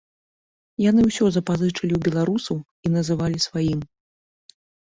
Яны ўсё запазычылі ў беларусаў і называлі сваім.